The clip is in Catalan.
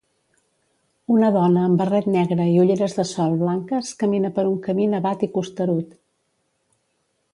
Una dona amb barret negre i ulleres de sol blanques camina per un camí nevat i costerut.